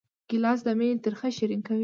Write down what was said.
ګیلاس د مینې ترخه شیرین کوي.